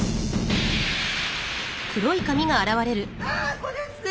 あっこれですね。